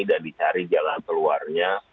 dan dicari jalan keluarnya